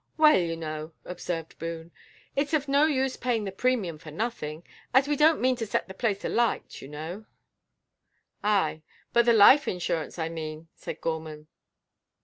"Well, you know," observed Boone, "it's of no use paying the premium for nothing. As we don't mean to set the place alight, you know." "Ay, but the life insurance, I mean," said Gorman.